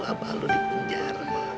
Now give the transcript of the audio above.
apa lo dipunjara